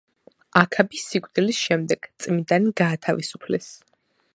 აქაბის სიკვდილის შემდეგ წმინდანი გაათავისუფლეს.